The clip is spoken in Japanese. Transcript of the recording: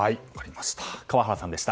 川原さんでした。